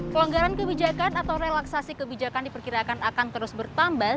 kelonggaran kebijakan atau relaksasi kebijakan diperkirakan akan terus bertambah